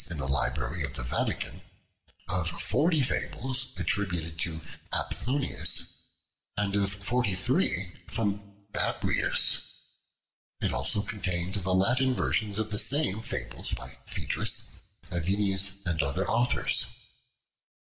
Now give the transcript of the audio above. in the Library of the Vatican, of forty fables attributed to Aphthonius, and of forty three from Babrias. It also contained the Latin versions of the same fables by Phaedrus, Avienus, and other authors.